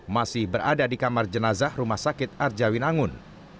masih berada di kamar jenazah rumah sakit arjawin angun